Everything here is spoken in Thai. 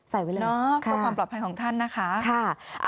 ใส่ไว้เลยค่ะค่ะความปลอดภัยของท่านนะคะค่ะ